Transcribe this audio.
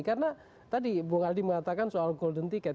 karena tadi bu aldi mengatakan soal golden ticket